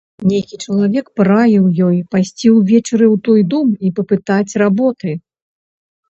Нейкі чалавек параіў ёй пайсці ўвечары ў той дом і папытаць работы.